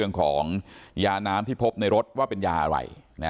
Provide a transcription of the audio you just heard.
จน๘โมงเช้าวันนี้ตำรวจโทรมาแจ้งว่าพบเป็นศพเสียชีวิตแล้ว